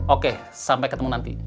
oke sampai ketemu nanti